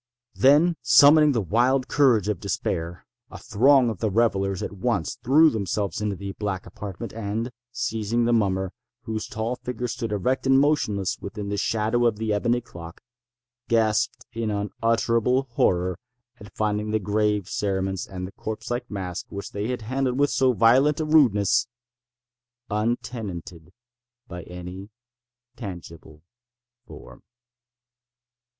Then, summoning the wild courage of despair, a throng of the revellers at once threw themselves into the black apartment, and, seizing the mummer, whose tall figure stood erect and motionless within the shadow of the ebony clock, gasped in unutterable horror at finding the grave cerements and corpse like mask which they handled with so violent a rudeness, untenanted by any tangible form.